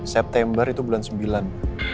september itu bulan sembilan